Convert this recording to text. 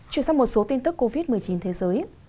chuyển sang một số tin tức covid một mươi chín thế giới